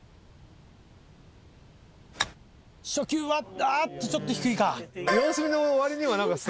初球はあっとちょっと低いか。